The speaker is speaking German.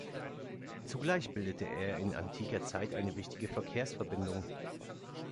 Zugleich bildete er in antiker Zeit eine wichtige Verkehrsverbindung.